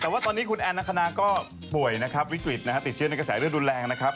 วิกฤตนะครับติดเชื่อในกระแสเรื่องรุนแรงนะครับ